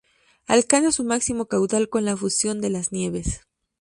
Alcanza su máximo caudal con la fusión de las nieves.